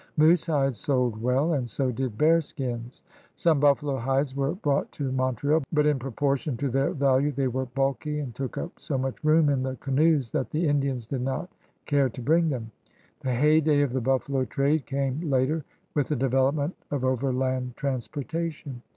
Moose hides sold well, and so did bear skins. Some buffalo hides were brought to Montreal, but in proportion to their value they were bulky and took up so much room in the canoes that the Indians did not care to bring them. The heyday of the buffalo trade came later, with the development of overland transportation.